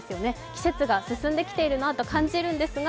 季節が進んできているなと感じるんですが、